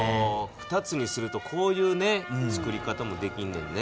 ２つにするとこういう作り方もできんねんね。